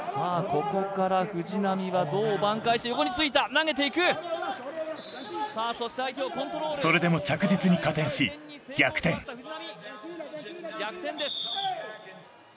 ここから藤波はどう挽回して横についた投げていくさあそして相手をコントロールそれでも着実に加点し逆転逆転です